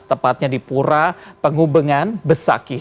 tepatnya di pura penghubungan besakih